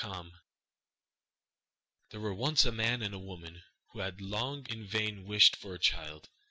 RAPUNZEL There were once a man and a woman who had long in vain wished for a child.